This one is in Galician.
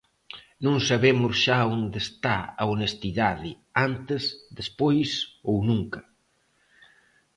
Non sabemos xa onde está a honestidade, antes, despois ou nunca.